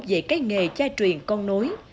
về các nghề tra truyền con nối